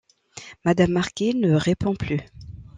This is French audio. Madame Marquet ne répond plus.